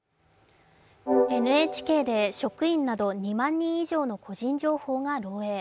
ＮＨＫで職員など２万人以上の個人情報が漏えい。